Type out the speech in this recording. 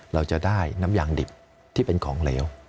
เราจะได้น้ำยางดิบที่เป็นของเหลว